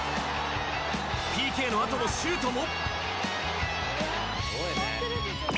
ＰＫのあとのシュートも。